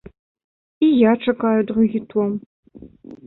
І я чакаю другі том.